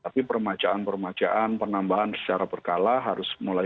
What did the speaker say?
tapi permajaan permajaan penambahan secara berkala harus mulai